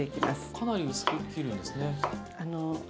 かなり薄く切るんですね。